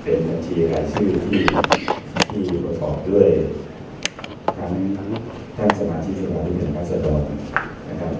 เป็นบัญชีรายชื่อที่ที่บริษัทออกด้วยทั้งท่านสมาชิกสภาพวิทยาลักษณ์พระสะดองนะครับ